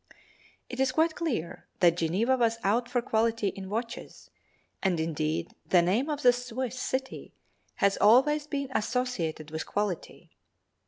_] It is quite clear that Geneva was out for quality in watches, and, indeed the name of the Swiss city has always been associated with quality.